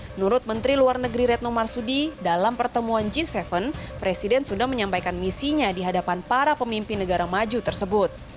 menurut menteri luar negeri retno marsudi dalam pertemuan g tujuh presiden sudah menyampaikan misinya di hadapan para pemimpin negara maju tersebut